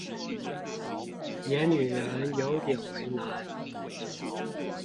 演女人有點為難